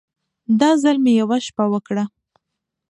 دا ځل مې يوه شپه وکړه.